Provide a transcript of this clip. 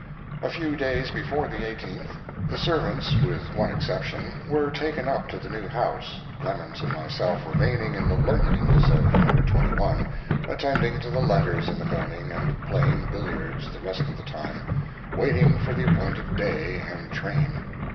A few days before the 18th the servants, with one exception, were taken up to the new house, Clemens and myself remaining in the loneliness of No. 21, attending to the letters in the morning and playing billiards the rest of the time, waiting for the appointed day and train.